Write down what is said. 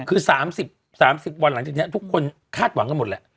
คือ๓๐๓๐วันหลังจากนี้ทุกคนคาดหวังกันหมดแหละ